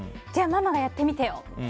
じゃあ、ママがやってみてよ！